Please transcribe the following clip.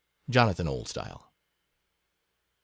Jonathan Oldstyle.